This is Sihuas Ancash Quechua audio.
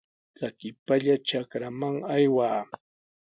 Trakipallami trakraman aywaa.